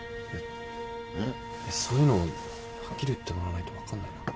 そういうのはっきり言ってもらわないと分かんないな。